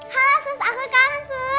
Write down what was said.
halo sus aku kanan sus